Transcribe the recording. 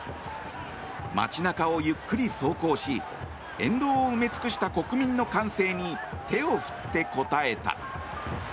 街中をゆっくり走行し沿道を埋め尽くした国民の歓声に手を振って応えた。